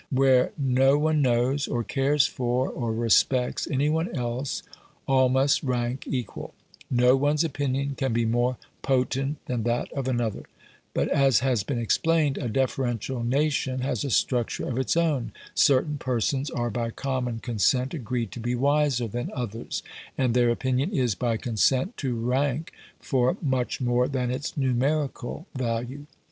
Where no one knows, or cares for, or respects any one else all must rank equal; no one's opinion can be more potent than that of another. But, as has been explained, a deferential nation has a structure of its own. Certain persons are by common consent agreed to be wiser than others, and their opinion is, by consent, to rank for much more than its numerical value.